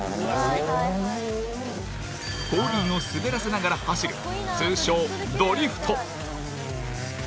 後輪を滑らせながら走る通称・ドリフト。